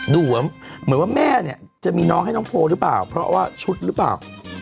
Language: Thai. ดูว่าเหมือนว่าแม่เนี่ยจะมีน้องให้น้องโพลหรือเปล่าเพราะว่าชุดหรือเปล่า